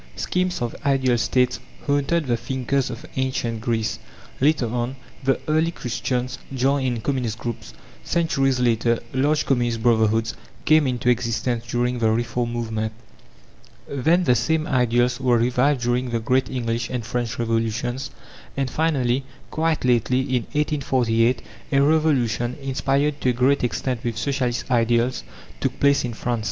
Schemes of ideal States haunted the thinkers of Ancient Greece; later on, the early Christians joined in communist groups; centuries later, large communist brotherhoods came into existence during the Reform movement. Then, the same ideals were revived during the great English and French Revolutions; and finally, quite lately, in 1848, a revolution, inspired to a great extent with Socialist ideals, took place in France.